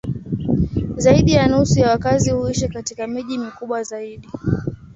Zaidi ya nusu ya wakazi huishi katika miji mikubwa zaidi.